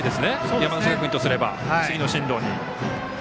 山梨学院としては次の進藤に。